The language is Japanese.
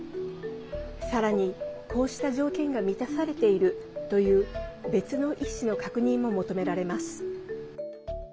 さらに、こうした条件が満たされているという別の医師の確認も求められます。